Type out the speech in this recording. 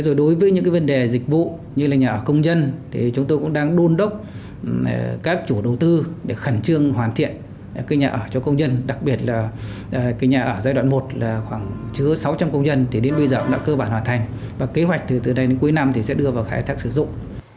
đối với những vấn đề dịch vụ như nhà ở công nhân chúng tôi cũng đang đôn đốc các chủ đầu tư để khẩn trương hoàn thiện nhà ở cho công nhân đặc biệt là nhà ở giai đoạn một là khoảng chứa sáu trăm linh công nhân đến bây giờ cũng đã cơ bản hoàn thành và kế hoạch từ nay đến cuối năm sẽ đưa vào khai thác sử dụng